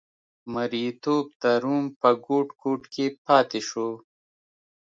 مریتوب د روم په ګوټ ګوټ کې پاتې شو.